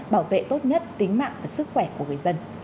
bảo vệ tốt nhất tính mạng và sức khỏe của người dân